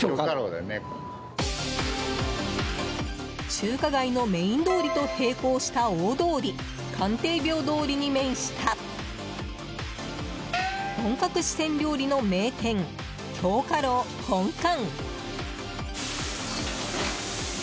中華街のメイン通りと並行した大通り、関帝廟通りに面した本格四川料理の名店京華樓本館。